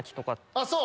あっそう。